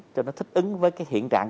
cho nó thích ứng với cái hiện trạng